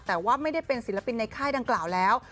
แต่ว่าไม่ได้เป็นศิลปินในค่ายดังกล่าวแล้ว